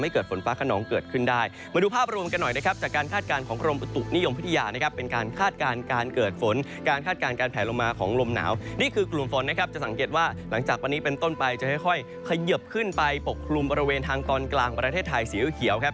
ก็จะให้ค่อยเขยิบขึ้นไปปกคลุมบริเวณทางตอนกลางประเทศไทยสีเยอะเขียวครับ